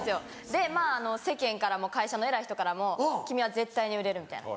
でまぁ世間からも会社の偉い人からも「君は絶対に売れる」みたいな。